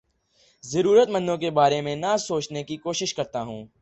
ضرورت مندوں کے بارے میں نہ سوچنے کی کوشش کرتا ہوں